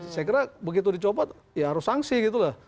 saya kira begitu dicopot ya harus sanksi gitu lah